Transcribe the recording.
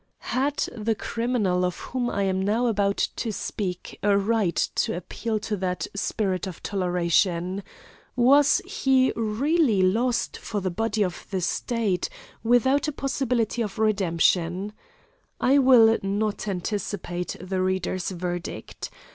Had the criminal of whom I am now about to speak a right to appeal to that spirit of toleration? Was he really lost for the body of the state, without a possibility of redemption? I will not anticipate the reader's verdict.